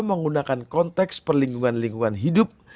menggunakan konteks perlindungan lingkungan hidup